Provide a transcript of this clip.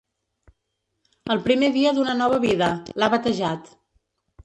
El primer dia d’una nova vida, l’ha batejat.